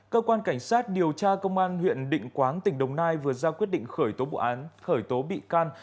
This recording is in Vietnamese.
cơ quan cảnh sát điều tra công an huyện định quán tỉnh đồng nai vừa ra quyết định khởi tố bụi can